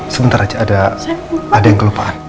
sebentar aja ada yang kelupaan